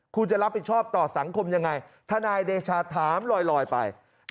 คุณจะรับผิดชอบต่อสังคมยังไงทนายเดชาถามลอยไป